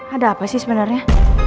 ada apa sih sebenarnya